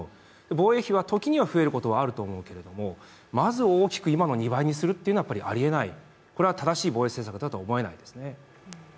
防衛費は時には増えることはあるけれどもまず大きく今の２倍にするというのはやっぱりあり得ない、これは正しい防衛政策だとは思えないですね。